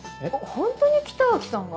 ホントに北脇さんが？